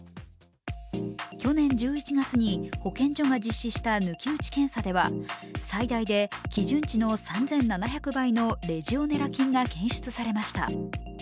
去年１１月に保健所が実施した抜き打ち検査では、最大で基準値の３７００倍のレジオネラ菌が検出されました。